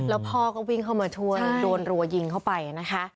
แล้วพ่อก็วิ่งเข้ามาช่วยโดนรัวยิงเข้าไปนะคะ